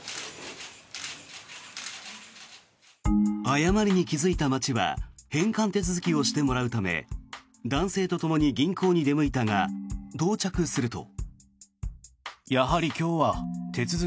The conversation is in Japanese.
誤りに気付いた町は返還手続きをしてもらうため男性とともに銀行に出向いたが到着すると。